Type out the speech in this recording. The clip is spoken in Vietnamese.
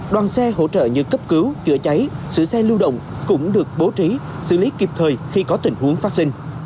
đoàn xe hỗ trợ như cấp cứu chữa cháy sửa xe lưu động cũng được bố trí xử lý kịp thời khi có tình huống phát sinh